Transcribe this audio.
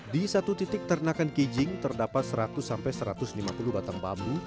di satu titik ternakan kijing terdapat seratus sampai satu ratus lima puluh batang bambu